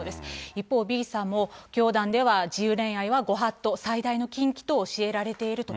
一方、Ｂさんも教団では自由恋愛はご法度、最大の禁忌と教えられていると。